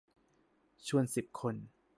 ชวนสิบคน